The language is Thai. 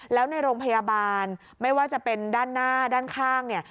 แล้วในโรงพยาบาลไม่ว่าจะเป็นด้านหน้าด้านข้างเนี่ย